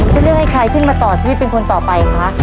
จะเลือกให้ใครขึ้นมาต่อชีวิตเป็นคนต่อไปคะ